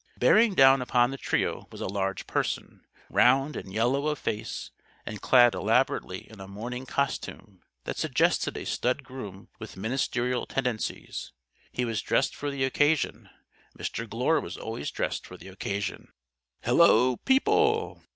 Bearing down upon the trio was a large person, round and yellow of face and clad elaborately in a morning costume that suggested a stud groom with ministerial tendencies. He was dressed for the Occasion. Mr. Glure was always dressed for the Occasion. "Hello, people!"